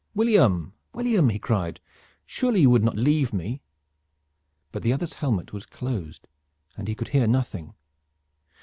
"William! William!" he cried. "Surely you would not leave me?" But the other's helmet was closed and he could hear nothing.